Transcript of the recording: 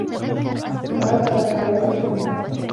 وَآثَرَ الحَياةَ الدُّنيا